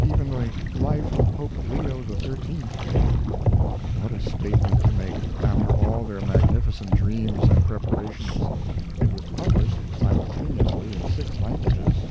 Even The Life of Pope Leo XIII. paid. What a statement to make, after all their magnificent dreams and preparations! It was published simultaneously in six languages.